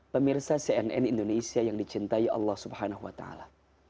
pemirsa cnn indonesia yang dicintai allah subhanahu wa ta'ala